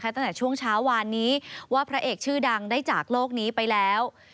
ตั้งแต่ช่วงเช้าวานนี้ว่าพระเอกชื่อดังได้จากโลกนี้ไปแล้ว